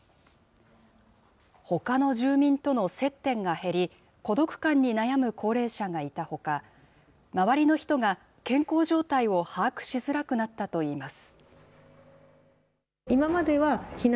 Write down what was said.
ほかの住民との接点が減り、孤独感に悩む高齢者がいたほか、周りの人が健康状態を把握しづらくなったといいます。